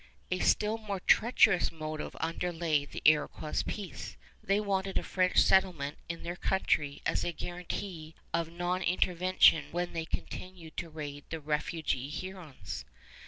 A still more treacherous motive underlay the Iroquois' peace. They wanted a French settlement in their country as a guarantee of non intervention when they continued to raid the refugee Hurons.